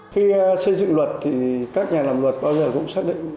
khi xây dựng luật thì các nhà làm luật bao giờ cũng xác định